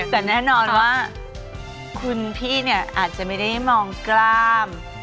แต่แน่นอนว่าคุณพี่เนี่ยอาจจะไม่ได้มองกล้าม